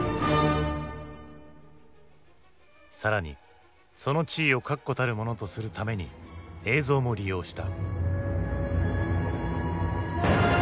更にその地位を確固たるものとするために映像も利用した。